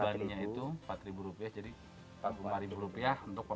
jadi rp empat puluh lima untuk pemakaian delapan puluh tiga meter itu ya